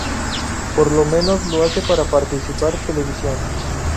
Por lo menos lo hace para participar televisión.